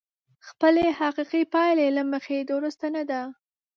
خپلې حقيقي پايلې له مخې درسته نه ده.